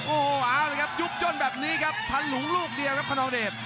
โอ้โหเอาเลยครับยุบย่นแบบนี้ครับทันหลุงลูกเดียวครับคนนองเดช